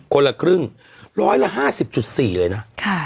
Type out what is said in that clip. คนละครึ่งร้อยละ๕๐๔เลยนะ